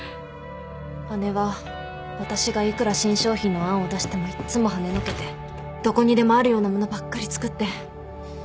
姉は私がいくら新商品の案を出してもいっつもはねのけてどこにでもあるようなものばっかり作って。